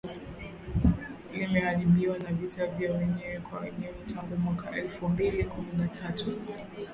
limeharibiwa na vita vya wenyewe kwa wenyewe tangu mwaka elfu mbili kumi na tatu